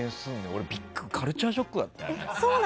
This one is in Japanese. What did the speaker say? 俺、カルチャーショックだったよ。